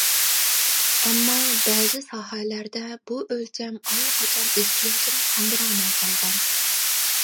ئەمما بەزى ساھەلەردە بۇ ئۆلچەم ئاللىقاچان ئېھتىياجنى قاندۇرالماي قالغان.